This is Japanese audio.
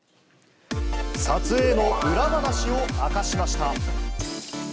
撮影の裏話を明かしました。